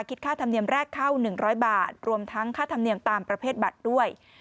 คิดค่าธรรมเนียมแรกเข้า๑๐๐บาทรวมทั้งค่าธรรมเนียมตามประเภทบัตรด้วย